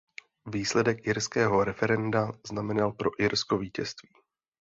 Výsledek irského referenda znamenal pro Irsko vítězství.